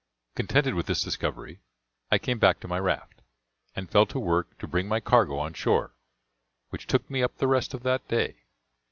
Contented with this discovery, I came back to my raft, and fell to work to bring my cargo on shore, which took me up the rest of that day.